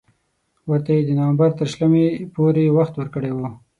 ورته یې د نومبر تر شلمې پورې وخت ورکړی وو.